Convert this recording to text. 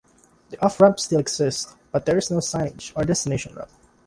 The off-ramp still exists but there is no signage or destination route.